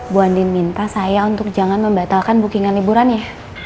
bu andin minta saya untuk jangan membatalkan bookingan liburan ya